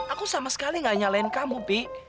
aku sama sekali gak nyalain kamu pi